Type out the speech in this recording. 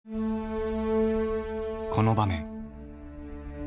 この場面。